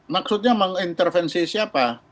maksudnya mengintervensi siapa